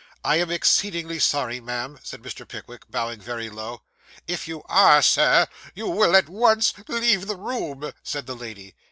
'I am exceedingly sorry, ma'am,' said Mr. Pickwick, bowing very low. 'If you are, Sir, you will at once leave the room,' said the lady.